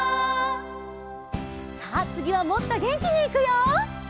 「」さあつぎはもっとげんきにいくよ！